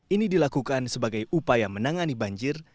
ini dilakukan sebagai upaya menangani banjir